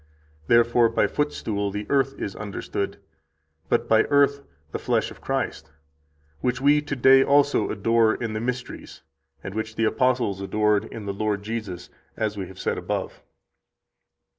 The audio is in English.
Therefore by footstool the earth is understood, but by earth the flesh of Christ, which we to day also adore in the mysteries, and which the apostles adored in the Lord Jesus, as we have said above."